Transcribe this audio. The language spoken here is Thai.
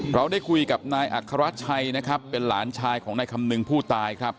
เราได้คุยกับนายอัครราชชัยนะครับเป็นหลานชายของนายคำนึงผู้ตายครับ